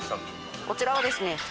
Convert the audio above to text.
こちらはですね